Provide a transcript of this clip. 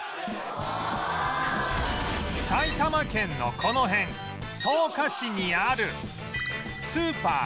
埼玉県のこの辺草加市にある